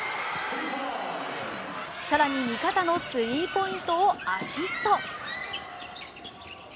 更に味方のスリーポイントをアシスト。